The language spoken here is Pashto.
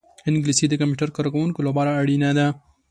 انګلیسي د کمپیوټر کاروونکو لپاره اړینه ده